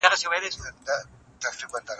هغه سړی چي پخپله اوږه ډېري مڼې وړي، غښتلی دی.